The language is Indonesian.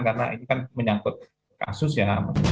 karena ini kan menyangkut kasus ya